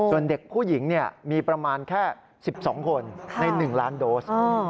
ส่วนเด็กผู้หญิงมีประมาณแค่๑๒คนใน๑ล้านโดส